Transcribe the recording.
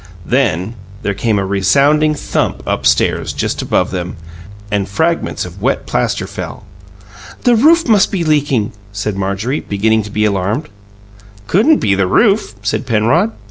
Then there came a resounding thump upstairs, just above them, and fragments of wet plaster fell. "The roof must be leaking," said Marjorie, beginning to be alarmed. "Couldn't be the roof," said Penrod.